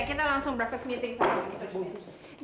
iya kita langsung berfest meeting sama teman teman